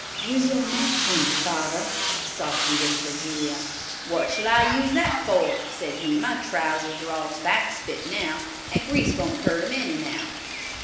"Use your napkin, father," softly whispered Julia. "What shall I use that for?" said he. "My trousers are all tobacco spit now, and grease won't hurt 'em any now.